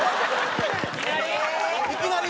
いきなり？